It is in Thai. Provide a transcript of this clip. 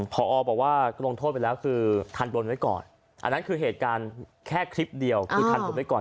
พอบอกว่าลงโทษไปแล้วคือทันบนไว้ก่อนอันนั้นคือเหตุการณ์แค่คลิปเดียวคือทันผมไว้ก่อน